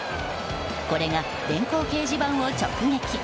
これが電光掲示板を直撃！